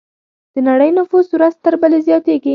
د نړۍ نفوس ورځ تر بلې زیاتېږي.